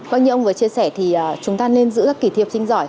vâng như ông vừa chia sẻ thì chúng ta nên giữ các kỳ thi học sinh giỏi